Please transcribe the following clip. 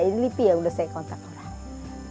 ini lipi ya udah saya kontak orang